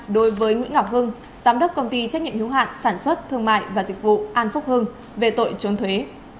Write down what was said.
đối với nguyễn ngọc hưng giám đốc công ty trách nhiệm hiếu hạn sản xuất thương mại và dịch vụ an phúc hưng về tội trốn thuế